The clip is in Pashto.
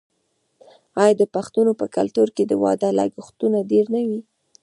آیا د پښتنو په کلتور کې د واده لګښتونه ډیر نه وي؟